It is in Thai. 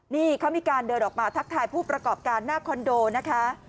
นี่เขามีการเดินออกมาทักทายผู้ประกอบการหน้าคอนโดนะคะ